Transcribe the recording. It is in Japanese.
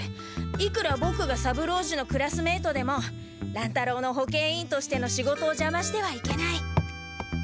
いくらボクが三郎次のクラスメートでも乱太郎の保健委員としての仕事をじゃましてはいけない。